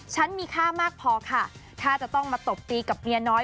มีค่ามากพอค่ะถ้าจะต้องมาตบตีกับเมียน้อย